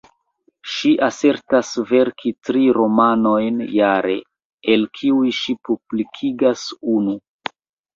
Ŝi asertas verki tri romanojn jare, el kiuj ŝi publikigas unu.